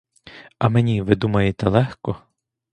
А мені, ви думаєте, легко?